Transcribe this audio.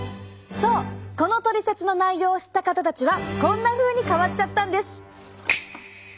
そうこのトリセツの内容を知った方たちはこんなふうに変わっちゃったんです！